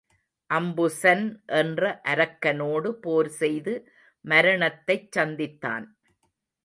அம்புசன் என்ற அரக்கனோடு போர் செய்து மரணத்தைச் சந்தித்தான்.